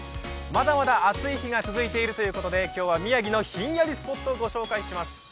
まだまだ暑い日が続いているということで、今日は宮城の「ひんやりスポット」を御紹介します。